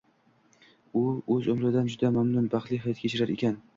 U o‘z umridan juda mamnun, baxtli hayot kechirar ekan